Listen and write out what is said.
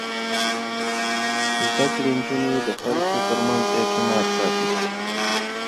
زده کړې نجونې د خلکو ترمنځ اعتماد ساتي.